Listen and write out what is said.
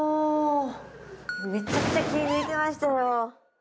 めちゃくちゃ気抜いてましたよ。